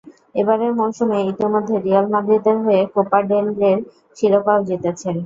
এবারের মৌসুমে ইতিমধ্যে রিয়াল মাদ্রিদের হয়ে কোপা ডেল রের শিরোপাও জিতেছেন।